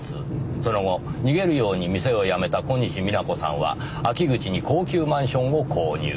その後逃げるように店を辞めた小西皆子さんは秋口に高級マンションを購入。